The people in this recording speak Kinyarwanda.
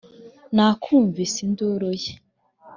nakumvise induru ye,